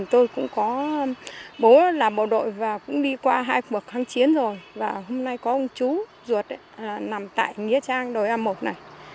tôi cũng có bố là bộ đội và cũng đi qua hai cuộc kháng chiến rồi và hôm nay có ông chú ruột nằm tại nghĩa trang đồi a một này